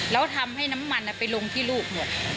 แล้วทำให้น้ำมันไปลงที่ลูกหมด